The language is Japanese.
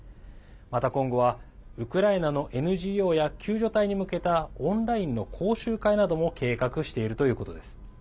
また、今後はウクライナのＮＧＯや救助隊に向けたオンラインの講習会なども計画しているということです。